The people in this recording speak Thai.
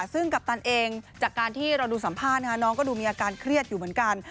ซึ่งกัปตันเองจากการที่เราดูสัมภาษณ์น้องก็ดูมีอาการเครียดอยู่เหมือนกัน